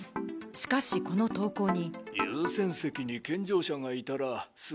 しかしこの投稿に。